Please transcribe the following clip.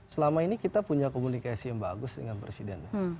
selama ini kita punya komunikasi yang bagus dengan presiden